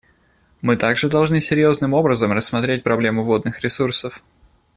Мы также должны серьезным образом рассмотреть проблему водных ресурсов.